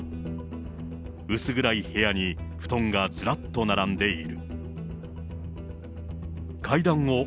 薄暗い部屋に布団がずらっと並んでいる。